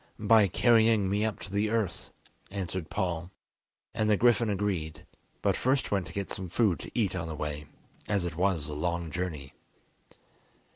"By carrying me up to the earth," answered Paul; and the griffin agreed, but first went to get some food to eat on the way, as it was a long journey.